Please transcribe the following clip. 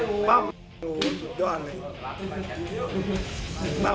อยากต่อกับพวกแก่ฮะหยิงปั้มซุดยอดเลย